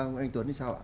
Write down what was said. của anh tuấn thì sao ạ